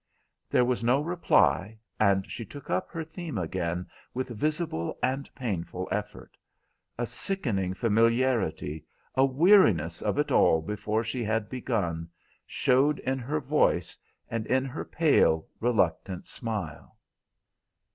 There was no reply, and she took up her theme again with visible and painful effort. A sickening familiarity, a weariness of it all before she had begun, showed in her voice and in her pale, reluctant smile.